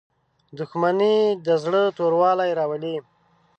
• دښمني د زړه توروالی راولي.